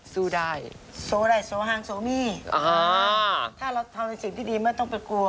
โสดัยโสฮังโสมีถ้าเราทำในสิ่งที่ดีไม่ต้องเป็นกลัว